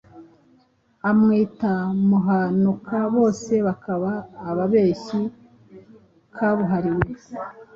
amwita Muhanuka, bose bakaba ababeshyi kabuhariwe.